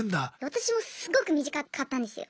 私もすごく短かったんですよ。